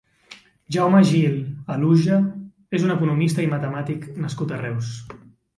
Jaume Gil Aluja és un economista i matemàtic nascut a Reus.